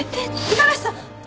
五十嵐さん！？